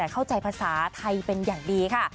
เข้าใจภาษาไทยเป็นอย่างดีค่ะ